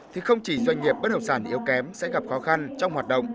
thì không chỉ doanh nghiệp bất động sản yếu kém sẽ gặp khó khăn trong hoạt động